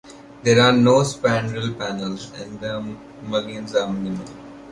There are no spandrel panels, and the mullions are minimal.